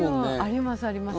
あります、あります。